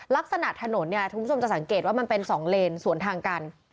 ลักษณะถนนเนี่ยคุณผู้ชมจะสังเกตว่ามันเป็น๒เลนสวนทางกัน